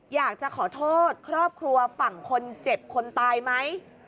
อยากจะขอโทษครอบครัวฝั่งคนเจ็บคนตายไหม